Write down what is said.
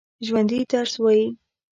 ژوندي درس وايي